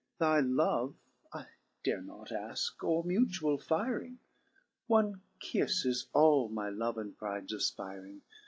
Thy love I dare not aike, or mutual firing. One kifTe is all my love and prides afpiring.